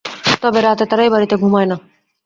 তবে রাতে তারা এ বাড়িতে ঘুমায় না।